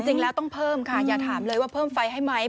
จริงแล้วต้องเพิ่มค่ะอย่าถามเลยว่าเพิ่มไฟให้ไหม